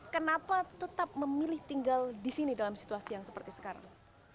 kenapa tetap memilih tinggal di sini dalam situasi yang seperti sekarang